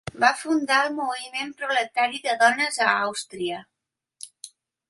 Va fundar el moviment proletari de dones a Àustria.